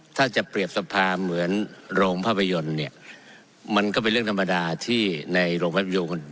ถ้าจะเปรียบสภาเหมือนโรงภาพยนตร์เนี่ยมันก็เป็นเรื่องธรรมดาที่ในโรงภาพยนตร์